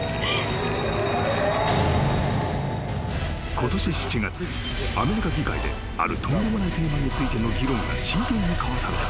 ・［ことし７月アメリカ議会であるとんでもないテーマについての議論が真剣に交わされた。